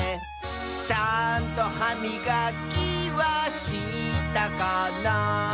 「ちゃんとはみがきはしたかな」